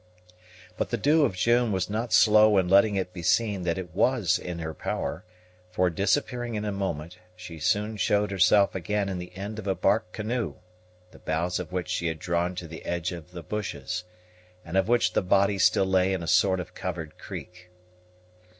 But the Dew of June was not slow in letting it be seen that it was in her power; for, disappearing in a moment, she soon showed herself again in the end of a bark canoe, the bows of which she had drawn to the edge of the bushes, and of which the body still lay in a sort of covered creek.